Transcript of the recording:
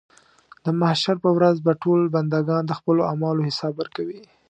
د محشر په ورځ به ټول بندګان د خپلو اعمالو حساب ورکوي.